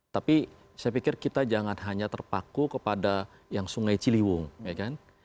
tapi saya pikir kita jangan hanya terpaku kepada yang sungai ciliwung ya kan